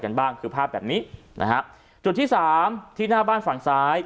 กันบ้างคือภาพแบบนี้นะฮะจุดที่สามที่หน้าบ้านฝั่งซ้าย